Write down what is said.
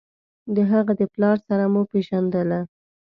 د هغه د پلار سره مو پېژندله.